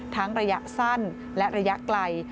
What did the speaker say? ระยะสั้นและระยะไกล